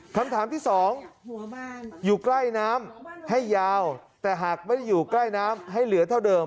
คำถามที่สองอยู่ใกล้น้ำให้ยาวแต่หากไม่ได้อยู่ใกล้น้ำให้เหลือเท่าเดิม